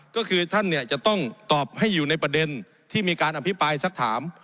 ก็คือท่านเนี่ยจะต้องตอบให้อยู่ในประเด็นที่มีการอภิปรายสักถาม